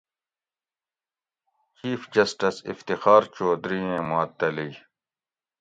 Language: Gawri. چیف جسٹس افتخار چوہدری ایں معطلی